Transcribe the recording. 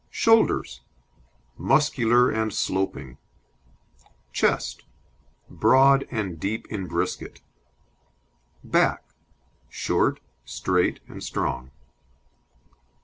SHOULDERS Muscular and sloping. CHEST Broad and deep in brisket. BACK Short, straight, and strong.